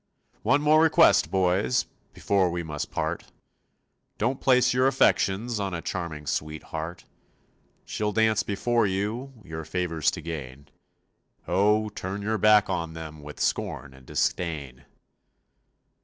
One more request, boys, Before we must part: Don't place your affections On a charming sweetheart; She'll dance before you Your favors to gain. Oh, turn your back on them With scorn and disdain!